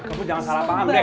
kamu jangan salah paham deh